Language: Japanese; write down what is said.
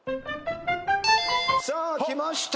さあきました